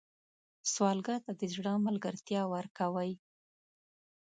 سوالګر ته د زړه ملګرتیا ورکوئ